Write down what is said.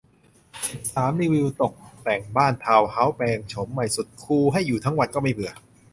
สิบสาม รีวิวตกแต่งบ้านทาวน์เฮ้าส์ แปลงโฉมใหม่สุดคูล ให้อยู่ทั้งวันก็ไม่เบื่อ